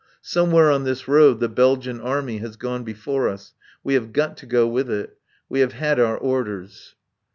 Somewhere on this road the Belgian Army has gone before us. We have got to go with it. We have had our orders.